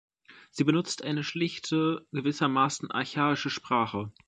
Sie benutzt eine schlichte, gewissermaßen archaische Sprache.